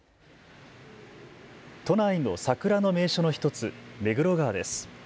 都内の桜の名所の１つ目黒川です。